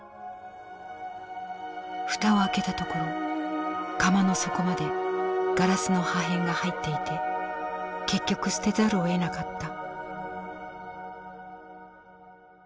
蓋を開けたところ釜の底までガラスの破片が入っていて結局捨てざるをえなかった」。